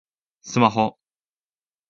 スマホ